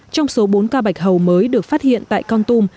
trong số bốn ca bạch hầu mới được phát hiện tại con tum